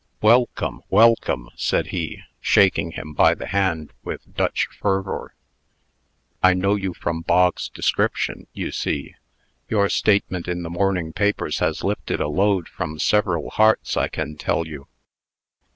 "Welcome! welcome!" said he, shaking him by the hand with Dutch fervor. "I know you from Bog's description, you see. Your statement in the morning papers has lifted a load from several hearts, I can tell you.